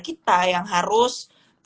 kita yang harus